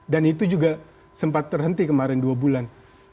dan itu juga sempat terhenti kemarin dua bulan